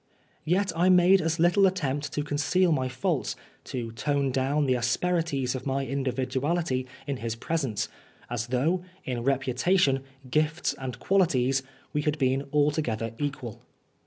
Yet I made as little attempt to conceal my faults, to tone down the asperities of my individuality in his pre sence, as though, in reputation, gifts and qualities, we had been altogether equal.